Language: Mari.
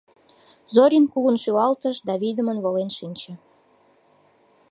Зорин кугун шӱлалтыш да вийдымын волен шинче.